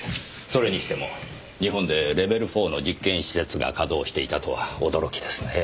それにしても日本でレベル４の実験施設が稼動していたとは驚きですね。